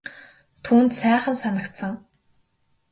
Түүнд сайхан санагдсан.